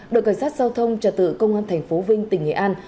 đội cảnh sát giao thông trả tự công an tp vinh tỉnh nghệ an